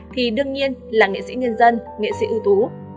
thì đương nhiên là nghệ sĩ nhân dân nghệ sĩ ưu tú